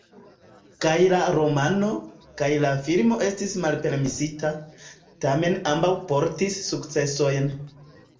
Kaj la romano, kaj la filmo estis malpermesita, tamen ambaŭ portis sukcesojn.